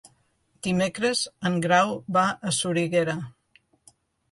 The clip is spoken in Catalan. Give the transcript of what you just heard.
Dimecres en Grau va a Soriguera.